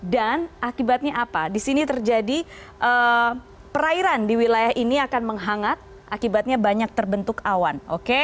dan akibatnya apa di sini terjadi perairan di wilayah ini akan menghangat akibatnya banyak terbentuk awan